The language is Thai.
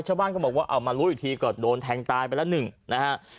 ชาวบ้านก็บอกว่าเอามารู้อีกทีก็โดนแทงตายไปแล้วหนึ่งนะฮะ